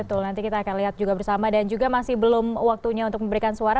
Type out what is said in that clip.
betul nanti kita akan lihat juga bersama dan juga masih belum waktunya untuk memberikan suara